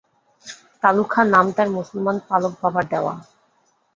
কালু খাঁ নাম তাঁর মুসলমান পালক বাবার দেওয়া।